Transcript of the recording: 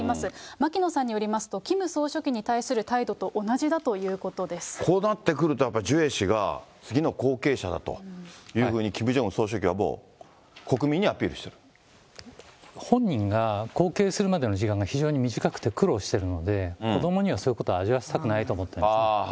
牧野さんによりますと、キム総書記に対する態度と同じだというここうなってくると、やっぱりジュエ氏が、次の後継者だというふうにキム・ジョンウン総書記はもう国民にア本人が、後継するまでの時間が非常に短くて苦労してるので、子どもにはそういうことは味わわせたくないと思ってる。